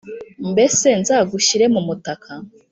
Mbese nzagushyire mu mutaka